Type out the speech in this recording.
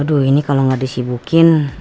aduh ini kalau nggak disibukin